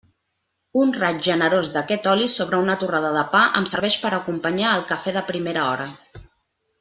Un raig generós d'aquest oli sobre una torrada de pa em serveix per a acompanyar el café de primera hora.